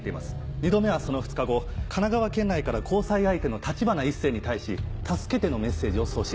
２度目はその２日後神奈川県内から交際相手の橘一星に対し「助けて」のメッセージを送信。